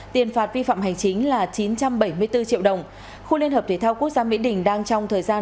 tiền phạt vi phạm hành chính là chín trăm bảy mươi bốn triệu đồng khu liên hợp thể thao quốc gia mỹ đình đang trong thời gian